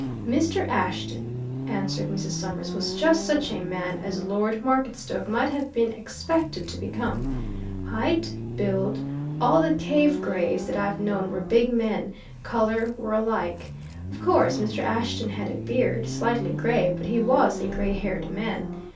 "Mr. Ashton," answered Mrs. Summers, "was just such a man as Lord Marketstoke might have been expected to become. Height, build all the Cave Grays that I've known were big men colour, were alike. Of course, Mr. Ashton had a beard, slightly grey, but he was a grey haired man.